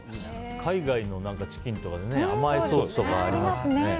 海外のチキンとかで甘いソースとかありますね。